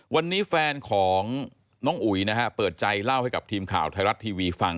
วันนี้แฟนของน้องอุ๋ยนะฮะเปิดใจเล่าให้กับทีมข่าวไทยรัฐทีวีฟัง